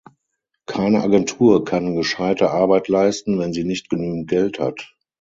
Keine Agentur kann gescheite Arbeit leisten, wenn sie nicht genügend Geld hat.